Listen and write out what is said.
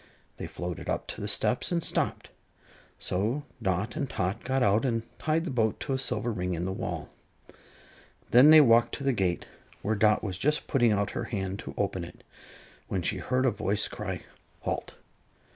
They floated up to the steps and stopped, so Dot and Tot got out and tied the boat to a silver ring in the wall. Then they walked to the gate, where Dot was just putting out her hand to open it, when she heard a voice cry: "Halt!"